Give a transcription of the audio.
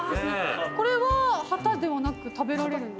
これは旗ではなく食べられるんですか？